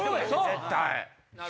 絶対。